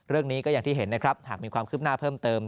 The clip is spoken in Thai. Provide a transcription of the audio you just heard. เรื่องนี้ก็อย่างที่เห็นนะครับหากมีความคืบหน้าเพิ่มเติม